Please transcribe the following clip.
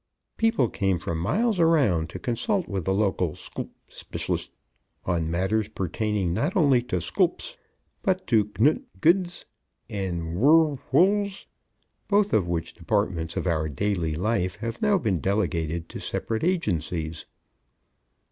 People came from miles around to consult with the local sclp spclst on matters pertaining not only to sclps but to knt gds and wr whls, both of which departments of our daily life have now been delegated to separate agencies.